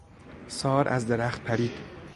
سار از درخت پرید.